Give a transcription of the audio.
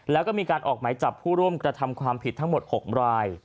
แล้วก็มีการออกไหมจับผู้ร่วมกระทำความผิดทั้งหมด๖ราย